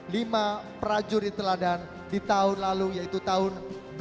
lima prajurit teladan di tahun lalu yaitu tahun dua ribu